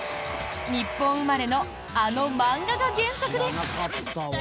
日本生まれのあの漫画が原作です。